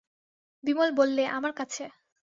বিমল বললে, আমার কাছে।